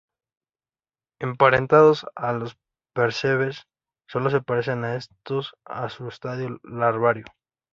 Emparentados a los percebes, sólo se parecen a estos a su estadio larvario.